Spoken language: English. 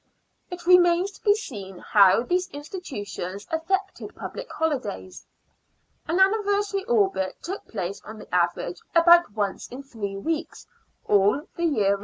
It remains to be seen how these institutions affected public holidays. An anniversary Obit took place on the average about once in three weeks all the year round, and * 1902.